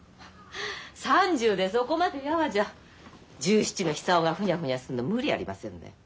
３０でそこまでやわじゃ１７の久男がふにゃふにゃするの無理ありませんね。